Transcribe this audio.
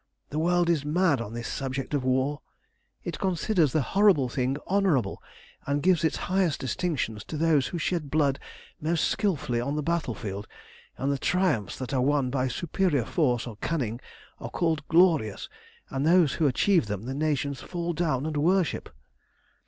The world is mad on this subject of war. It considers the horrible thing honourable, and gives its highest distinctions to those who shed blood most skilfully on the battlefield, and the triumphs that are won by superior force or cunning are called glorious, and those who achieve them the nations fall down and worship.